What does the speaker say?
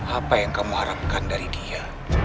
apa yang kamu harapkan dari dia